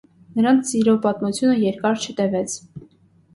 Նրանց սիրո պատմությունը երկար չտևեց։